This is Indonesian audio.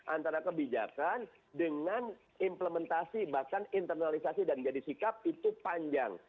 antara kebijakan dengan implementasi bahkan internalisasi dan jadi sikap itu panjang